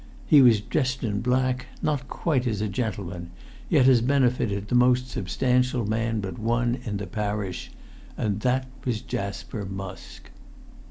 He was dressed in black, not quite as a gentleman, yet as befitted the most substantial man but one in the parish. And that was Jasper Musk.